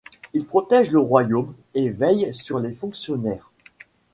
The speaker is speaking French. Il protège le royaume et veille sur les fonctionnaires.